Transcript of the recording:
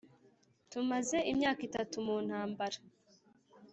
tumaze imyaka itatu mu ntambara.